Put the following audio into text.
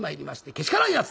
「けしからんやつ！」。